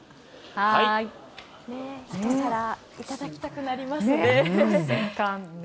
ひと皿いただきたくなりますね。